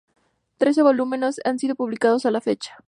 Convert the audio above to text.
Trece volúmenes han sido publicados a la fecha.